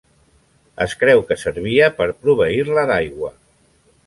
Es creu que servia per proveir-la d'aigua.